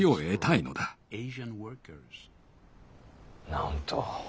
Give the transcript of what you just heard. なんと。